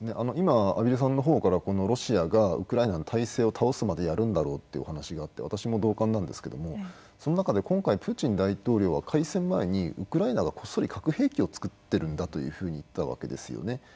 今、畔蒜さんのほうからロシアがウクライナの体制を倒すまでやるんだろうという話があって私も同感なんですけどもその中で、今回プーチン大統領は開戦前に、ウクライナがこっそり核兵器を作っているんだと言っていたわけですよね。